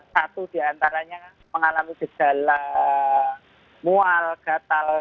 satu di antaranya mengalami gejala mual gatal